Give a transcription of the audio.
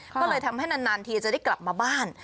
ก็เลยทำให้นานทีจะได้กลับมาบ้าน